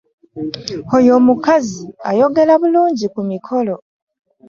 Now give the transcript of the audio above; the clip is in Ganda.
Oyo omukazi ayogera bulungi ku mikolo.